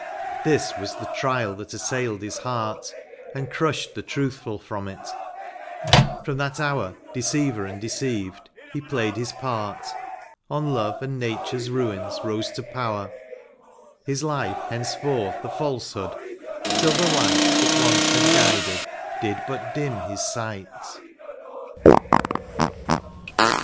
This was the trial that assailed his heart, And crushed the truthful from it; from that hour, Deceiver and deceived, he played his part, On love and Nature's ruins rose to power; His life, henceforth, a falsehood, till the Ught That once had guided, did but dim his sight.